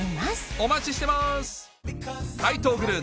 お待ちしてます！